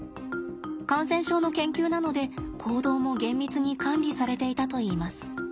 感染症の研究なので行動も厳密に管理されていたといいます。